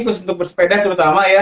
khusus untuk bersepeda terutama ya